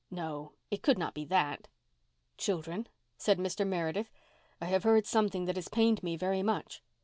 No, it could not be that. "Children," said Mr. Meredith, "I have heard something that has pained me very much.